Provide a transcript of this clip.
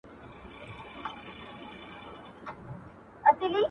ما ټول عمر هم دا کړي د اوس چې څه کوومه